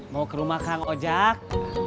mau ke rumah kang oja